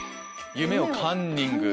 「夢をカンニング」